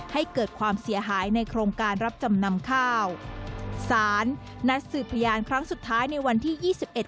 ให้เกิดความเสียหายในโครงการรับจำนำข้าวสารนัดสืบพยานครั้งสุดท้ายในวันที่ยี่สิบเอ็ด